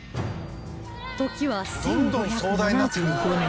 時は１５７５年